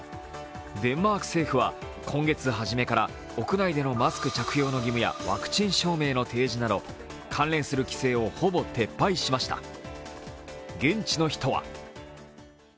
デンマーク政府は今月はじめから屋内でのマスク着用の義務やワクチン証明の提示など関連する規制をほぼ撤廃しました。